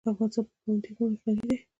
افغانستان په پابندی غرونه غني دی.